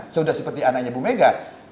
sudah seperti anaknya ibu megawati